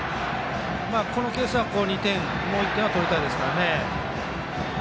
このケースは２点もう１点は取りたいですからね。